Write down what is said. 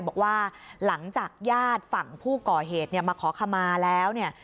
บอกว่าหลังจากญาติฝั่งผู้ก่อเหตุเนี่ยมาขอขมาแล้วเนี่ย